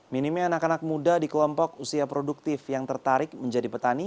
minimnya anak anak muda di kelompok usia produktif yang tertarik menjadi petani